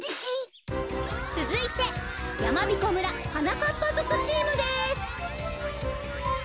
つづいてやまびこ村はなかっぱぞくチームです。